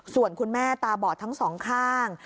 ส่วนคุณแม่ตาบอดทั้งสองข้าง